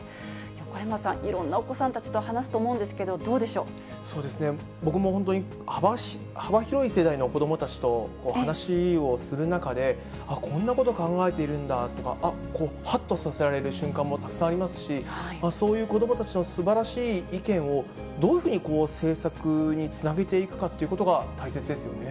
横山さん、いろんなお子さんたちと話すと思うんですけど、どうで僕も本当に、幅広い世代の子どもたちと話をする中で、こんなこと考えているんだとか、あっ、はっとさせられる瞬間もたくさんありますし、そういう子どもたちのすばらしい意見を、どういうふうにこう、政策につなげていくかということが大切ですよね。